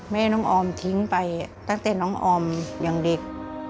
แม่น้องออมทิ้งไปตั้งแต่น้องออมอย่างเด็ก